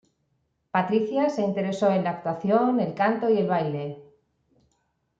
Patricia se interesó en la actuación, el canto y el baile.